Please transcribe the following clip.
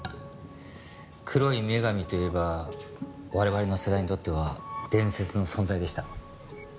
黒い女神といえば我々の世代にとっては伝説の存在でした。